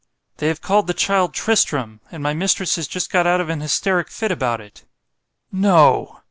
_ They have called the child Tristram——and my mistress is just got out of an hysterick fit about it——No!